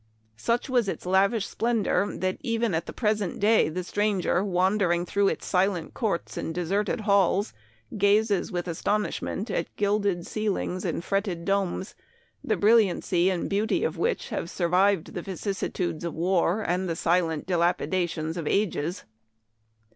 Such was its lavish splendor that even at the present day the stranger, wandering through its silent courts and deserted halls, gazes with astonishment at gilded ceilings and fretted domes, the brilliancy and beauty of 12 178 Memoir of Washington Irving. which have survived the vicissitudes of war and the silent dilapidations of ages.